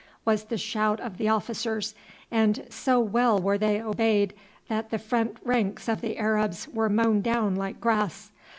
was the shout of the officers; and so well were they obeyed that the front ranks of the Arabs were mown down like grass.